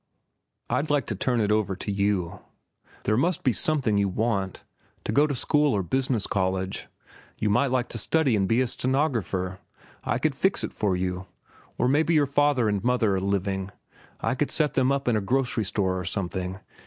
"I'd like to turn it over to you. There must be something you want—to go to school or business college. You might like to study and be a stenographer. I could fix it for you. Or maybe your father and mother are living—I could set them up in a grocery store or something.